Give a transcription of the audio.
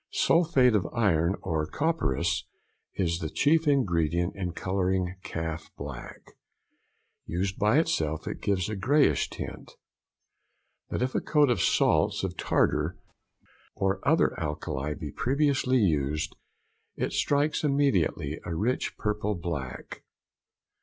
_—Sulphate of iron or copperas is the chief ingredient in colouring calf black. Used by itself, it gives a greyish tint, but if a coat of salts of tartar or other alkali be previously used it strikes immediately a rich purple black.